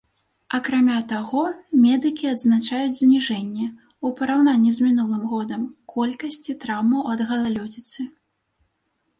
Акрамя таго, медыкі адзначаюць зніжэнне, у параўнанні з мінулым годам, колькасці траўмаў ад галалёдзіцы.